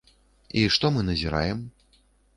І што мы назіраем?